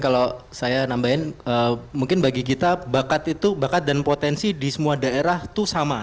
kalau saya nambahin mungkin bagi kita bakat itu bakat dan potensi di semua daerah itu sama